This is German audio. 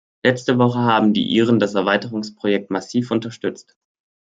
Letzte Woche haben die Iren das Erweiterungsprojekt massiv unterstützt.